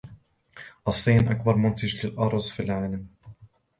الصين أكبر مُنتِج للأُرز في العالم.